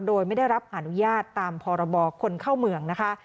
โดยไม่ได้รับอนุญาตตามพรบคนเข้าเมืองนะคะ